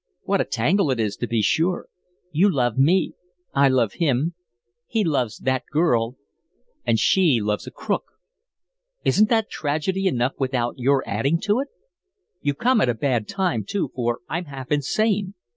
What a tangle it is, to be sure. You love me, I love him, he loves that girl, and she loves a crook. Isn't that tragedy enough without your adding to it? You come at a bad time, too, for I'm half insane.